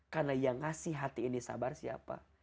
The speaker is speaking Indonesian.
karena yang ngasih hati ini sabar siapa